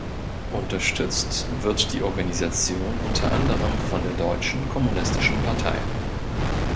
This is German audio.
Unterstützt wird die Organisation unter anderem von der Deutschen Kommunistischen Partei.